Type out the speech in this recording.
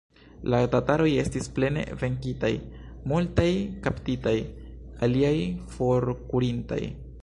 La tataroj estis plene venkitaj, multaj kaptitaj, aliaj forkurintaj.